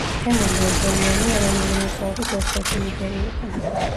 თემურ ჟორჟოლიანი ეროვნული მოძრაობის ერთ-ერთი ლიდერი იყო.